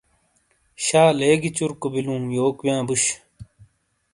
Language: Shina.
شا لیگی چُرکو بِیلُوں یوک وِیاں بُش۔